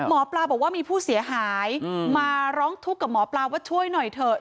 หมอปลาบอกว่ามีผู้เสียหายมาร้องทุกข์กับหมอปลาว่าช่วยหน่อยเถอะ